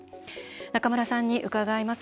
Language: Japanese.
中村さんに伺います。